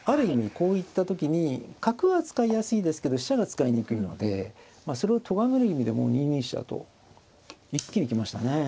こう行った時に角は使いやすいですけど飛車が使いにくいのでそれをとがめる意味でもう２二飛車と一気に行きましたね。